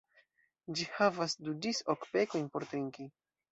Ĝi havas du ĝis ok bekojn por trinki.